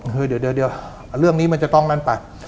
เฮ้ยเดี๋ยวเดี๋ยวเดี๋ยวเรื่องนี้มันจะต้องนั่นไป